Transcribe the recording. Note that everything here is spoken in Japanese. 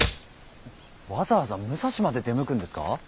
わざわざ武蔵まで出向くんですか？